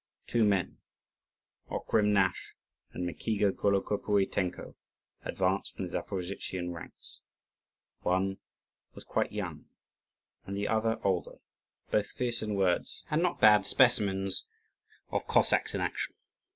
Two men Okhrim Nasch and Mikiga Golokopuitenko advanced from the Zaporozhian ranks. One was quite young, the other older; both fierce in words, and not bad specimens of Cossacks in action.